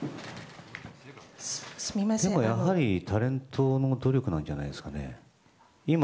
やはりタレントの努力なんじゃないですかね。